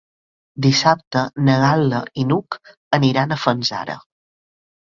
Dissabte na Gal·la i n'Hug aniran a Fanzara.